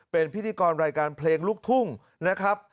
เป็นพิธีกรรายการเพลงลูกทุ่งนะครับ